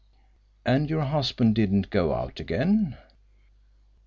"And your husband didn't go out again?"